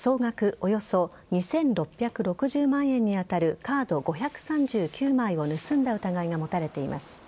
およそ２６６０万円に当たるカード５３９枚を盗んだ疑いが持たれています。